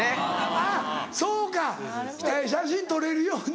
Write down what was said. あぁそうか写真撮れるように。